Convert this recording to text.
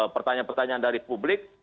pertanyaan pertanyaan dari publik